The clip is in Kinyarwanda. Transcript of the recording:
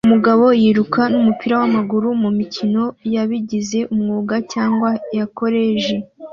Umugabo yiruka numupira wamaguru mumikino yabigize umwuga cyangwa ya koleji